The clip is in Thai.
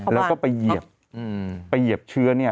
แล้วก็ไปเหยียบเชื้อเนี่ย